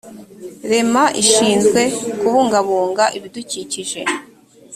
rema ishinzwe kubungabunga ibidukikije